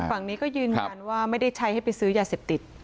ฝั่งนี้ก็ยืนยันว่าไม่ได้ใช้ให้ไปซื้อยาเสพติด